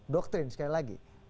doktrin sekali lagi